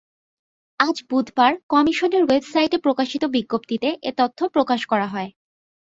আজ বুধবার কমিশনের ওয়েবসাইটে প্রকাশিত বিজ্ঞপ্তিতে এ তথ্য প্রকাশ করা হয়।